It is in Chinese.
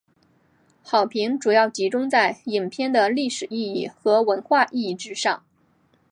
好评主要集中在影片的历史意义和文化意义之上。